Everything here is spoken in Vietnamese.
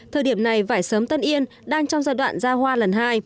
thời điểm này vải sớm tân yên đang trong giai đoạn ra hoa lần hai